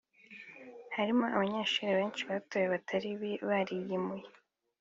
Harimo abanyeshuri benshi batowe batari bariyimuye